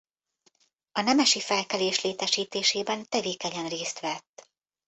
A nemesi felkelés létesítésében tevékenyen részt vett.